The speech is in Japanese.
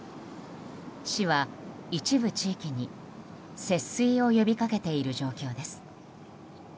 市は、一部地域に節水を呼び掛けている状況です。